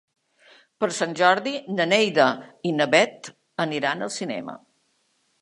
Per Sant Jordi na Neida i na Bet aniran al cinema.